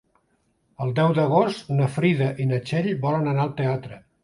El deu d'agost na Frida i na Txell volen anar al teatre.